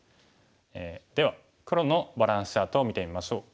では黒のバランスチャートを見てみましょう。